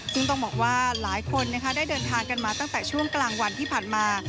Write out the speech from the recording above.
ซึ่งต้องบอกว่าหลายคนได้เดินทางกันมาตั้งแต่ช่วงกลางวันที่ผ่านมา